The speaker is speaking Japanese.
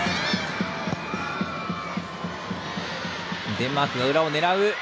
デンマークが裏を狙う。